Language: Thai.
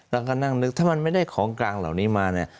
แล้วก็นั่งนึกถ้ามันไม่ได้ของกลางเหล่านี้มาเนี่ย